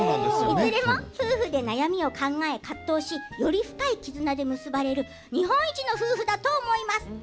いずれも夫婦で悩みを考え葛藤しより深い絆で結ばれる日本一の夫婦だと思います。